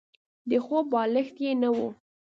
د خوب بالښت يې نه وو.